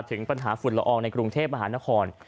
ถึงปัญหาฝุ่นละอองในกรุงเทพมหานคร